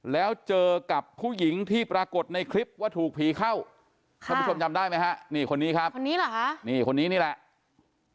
แล้วเจอกับผู้หญิงที่ปรากฏในคลิปว่าถูกผีเข้าท่านผู้ชมจำได้ไหมฮะนี่คนนี้ครับคนนี้เหรอฮะนี่คนนี้นี่แหละ